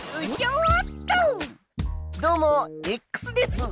どうもです！